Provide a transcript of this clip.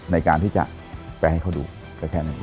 ในการที่จะแปลให้เขาดูก็แค่นั้น